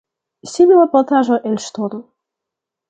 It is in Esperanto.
Simila plataĵo el ŝtono.